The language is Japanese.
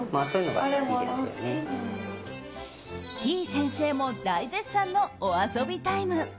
てぃ先生も大絶賛のお遊びタイム。